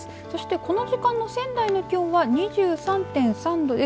この時間の仙台の気温は２３．３度です。